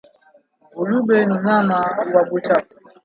Ngulube ni nyama wa buchafu